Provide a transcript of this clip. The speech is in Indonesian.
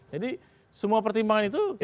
jadi semua pertimbangan itu kita perhatikan